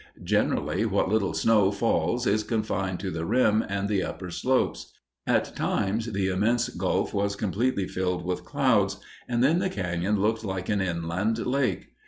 Generally, what little snow falls is confined to the rim and the upper slopes. At times the immense gulf was completely filled with clouds, and then the cañon looked like an inland lake.